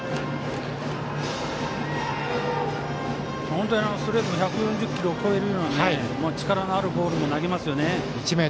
本当にストレートも１４０キロを超えるような力のあるボールも投げますよね。